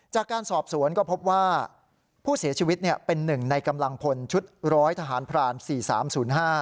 จากการสอบสวนก็พบว่าผู้เสียชีวิตเนี่ยเป็นหนึ่งในกำลังพลชุดร้อยทหารพรานสี่สามศูนย์ห้า